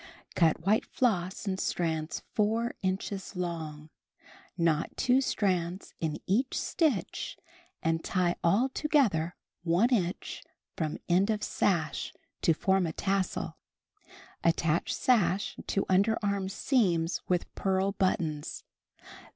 Cut white floss in strands 4 inches long; knot 2 strands in each stitch and tie all together one inch from end of sash, to form a tassel. Attach sash to underarm seams with pearl buttons.